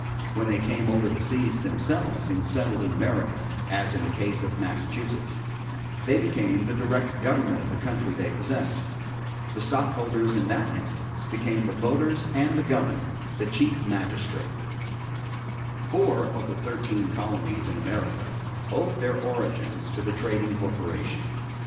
When they came over the seas themselves and settled in America, as in the case of Massachusetts, they became the direct government of the country they possessed. The stockholders in that instance became the voters and the governor, the chief magistrate. [Illustration: JOHN WINTHROP, GOVERNOR OF THE MASSACHUSETTS BAY COMPANY] Four of the thirteen colonies in America owed their origins to the trading corporation.